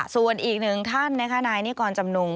ส่วนอีกหนึ่งท่านนายนี่กรจำนุง